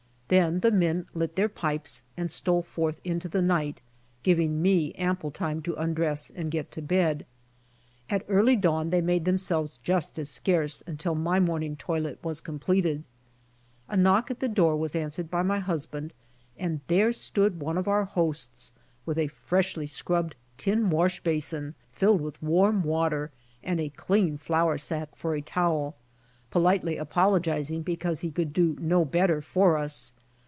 Then the m)en lit their pipes and stole forth into the night, giving me ample time to undress and get to bed. At early^dawn they made themselves just as scarce until my mlorning toilet was completed. A knock at the door was answered by my husband and there stood one of our hosts with a freshly scrubbed tin wash basin filled with warm water, and a clean flour sack for a towel, politely apologizing because he could do no better for us.